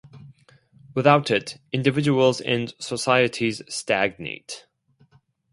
Without it, individuals and societies stagnate.